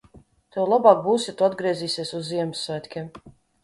Tev labāk būs, ja tu atgriezīsies uz ziemassvētkiem!